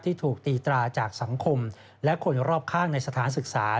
ถูกตีตราจากสังคมและคนรอบข้างในสถานศึกษา